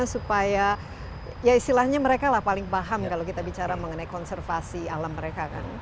supaya ya istilahnya mereka lah paling paham kalau kita bicara mengenai konservasi alam mereka kan